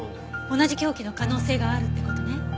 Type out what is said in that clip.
同じ凶器の可能性があるって事ね。